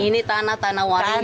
ini tanah tanah warisan